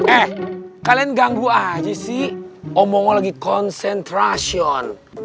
eh kalian ganggu aja sih omg lagi konsentrasyon